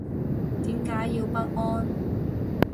點解要不安